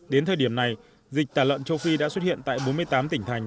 đến thời điểm này dịch tả lợn châu phi đã xuất hiện tại bốn mươi tám tỉnh thành